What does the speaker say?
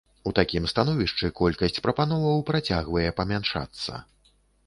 У такім становішчы колькасць прапановаў працягвае памяншацца.